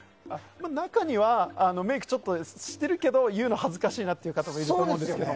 中には、メイクしてるけど言うのが恥ずかしいなって方もいると思います。